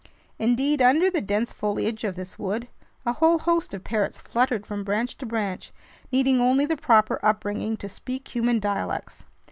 Indeed, under the dense foliage of this wood, a whole host of parrots fluttered from branch to branch, needing only the proper upbringing to speak human dialects.